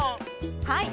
はい。